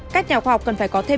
các nhà khoa học cần phải có thêm